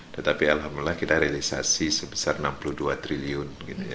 tetapi alhamdulillah kita realisasi sebesar rp enam puluh dua triliun